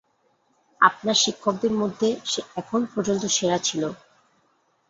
আপনার শিক্ষকদের মধ্যে, সে এখন পর্যন্ত সেরা ছিল।